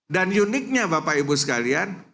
dan uniknya bapak ibu sekalian